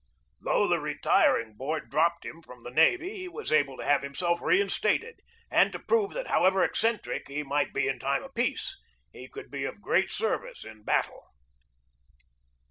Though the Retir ing Board dropped him from the navy, he was able to have himself reinstated, and to prove that, how ever eccentric he might be in time of peace, he could be of great service in battle.